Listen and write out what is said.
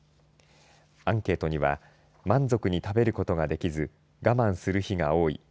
アンケートには満足に食べることができず我慢する日が多い。